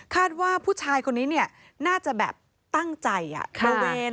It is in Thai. คาดว่าผู้ชายคนนี้เนี่ยน่าจะแบบตั้งใจอ่ะบริเวณ